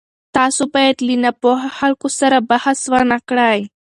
تاسو باید له ناپوهه خلکو سره بحث ونه کړئ.